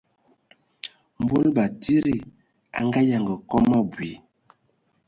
Mbol batsidi a nganyanga kom abui,